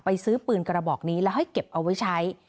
ซื้อปืนกระบอกนี้แล้วให้เก็บเอาไว้ใช้